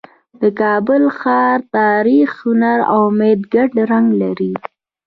د کابل ښار د تاریخ، هنر او امید ګډ رنګ لري.